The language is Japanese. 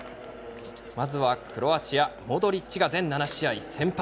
まずはクロアチアモドリッチが全７試合先発。